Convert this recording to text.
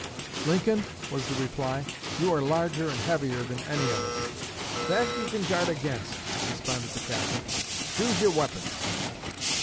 "Lincoln," was the reply, "you are larger and heavier than any of us." "That you can guard against," responded the captain. "Choose your weapons!"